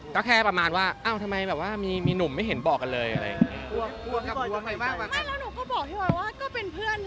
ก็แค่ประมาณว่าอ้าวทำไมแบบว่ามีหนุ่มไม่เห็นบอกกันเลยอะไรอย่างนี้